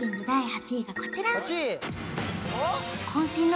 第８位がこちら・うわ